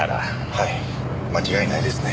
はい間違いないですね。